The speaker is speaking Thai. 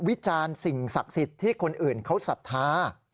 วิจารณ์สิ่งศักดิ์สิทธิ์ที่คนอื่นเขาศรัทธา